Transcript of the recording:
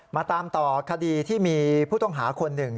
มาตามต่อคดีที่มีผู้ต้องหาคนหนึ่ง